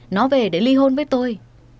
nó về để ly hôn với tôi